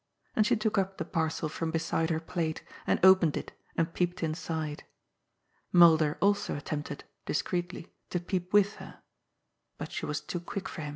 And she took up the parcel from beside her plate, and opened it, and peeped inside. Mulder also attempted, discreetly, to peep with her. But she was too quick for him.